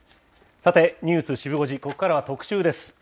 さて、ニュースシブ５時、ここからは特集です。